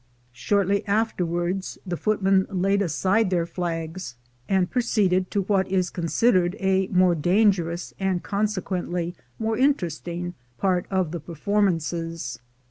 Shortly afterwards the footmen laid aside their 318 THE GOLD HUNTERS flags and proceeded to what is considered a more dangerous, and consequently more interesting, part of the performances.